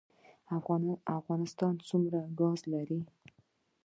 افغانستان څومره ګاز لري؟